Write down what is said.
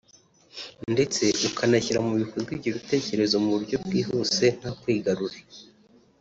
ndetse ukanashyira mu bikorwa ibyo bitekerezo mu buryo bwihuse nta kwigarura